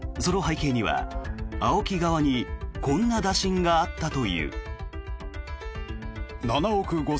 その背景には、ＡＯＫＩ側にこんな打診があったという。